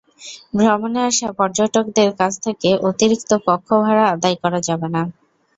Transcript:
ভ্রমণে আসা পর্যটকদের কাছ থেকে অতিরিক্ত কক্ষ ভাড়া আদায় করা যাবে না।